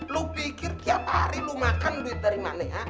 lu pikir tiap hari lu makan duit dari mana ya